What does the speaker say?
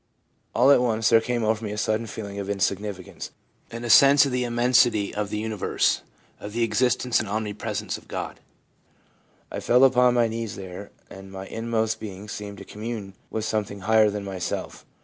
All at once there came over me a sudden feeling of insignificance, and a sense of the immensity of the universe, of the existence and omnipresence of God. I fell upon my knees there, and my inmost being seemed to commune with something higher than myself.